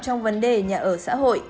trong vấn đề nhà ở xã hội